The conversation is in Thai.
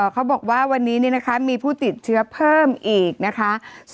เขาบอกว่าวันนี้มีผู้ติดเชื้อเพิ่มอีกนะคะ